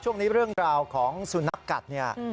ช่วงนี้เรื่องราวของสูนักกัดเนี่ย